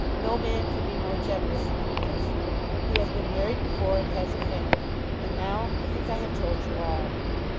No man can be more generous than he is. He has been married before, and has a family, and now I think I have told you all.